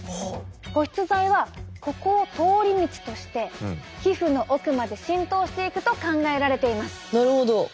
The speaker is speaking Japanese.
保湿剤はここを通り道として皮膚の奥まで浸透していくと考えられています。